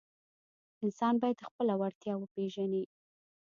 انسان باید خپله وړتیا وپیژني.